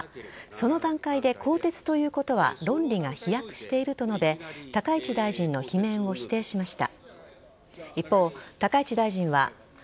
その段階で更迭ということは論理が飛躍していると述べ高市大臣の罷免を否定しました。